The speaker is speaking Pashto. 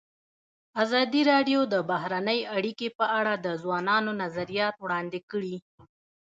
ازادي راډیو د بهرنۍ اړیکې په اړه د ځوانانو نظریات وړاندې کړي.